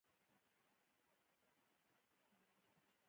هغه د خلکو له شر څخه تنګ شو.